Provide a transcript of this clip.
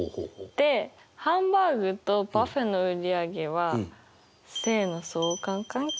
でハンバーグとパフェの売り上げは正の相関関係？